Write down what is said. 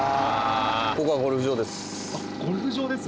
ここはゴルフ場です。